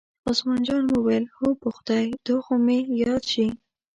عثمان جان وویل: هو په خدای دا خو مې یاد شي.